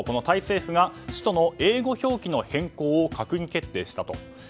タイ政府が首都の英語表記の変更を閣議決定したと。